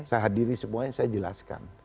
saya hadiri semuanya saya jelaskan